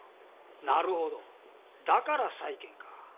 なるほどだから債権か。